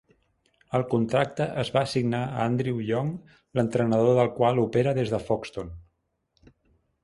El contracte es va assignar a Andrew Young, l'entrenador del qual opera des de Foxton.